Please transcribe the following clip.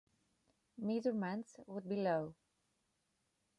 Measurements would be low.